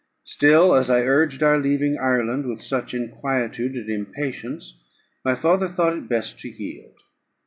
Still, as I urged our leaving Ireland with such inquietude and impatience, my father thought it best to yield.